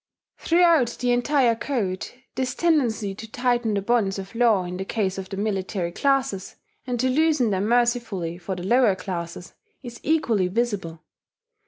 ... Throughout the entire code, this tendency to tighten the bonds of law in the case of the military classes, and to loosen them mercifully for the lower classes, is equally visible.